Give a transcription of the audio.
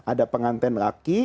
ada pengantin laki